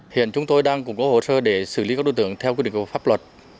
hiện chúng tôi đang củng cố hồ sơ để xử lý các đối tượng theo quy định của pháp luật